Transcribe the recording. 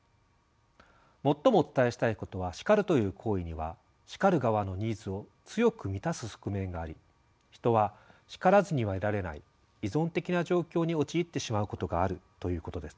最もお伝えしたいことは「叱る」という行為には叱る側のニーズを強く満たす側面があり人は叱らずにはいられない依存的な状況に陥ってしまうことがあるということです。